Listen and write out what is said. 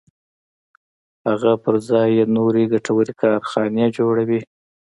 هغه پر ځای یې نورې ګټورې کارخانې جوړوي